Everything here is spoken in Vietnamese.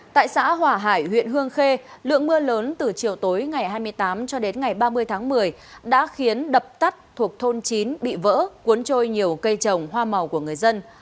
tại xã hỏa hải huyện hương khê lượng mưa lớn từ chiều tối ngày hai mươi tám cho đến ngày ba mươi tháng một mươi đã khiến đập tắt thuộc thôn chín bị vỡ cuốn trôi nhiều cây trồng hoa màu của người dân